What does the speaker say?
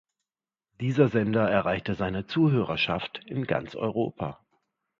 Dieser Sender erreichte seine Zuhörerschaft in ganz Europa.